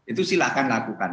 itu silahkan lakukan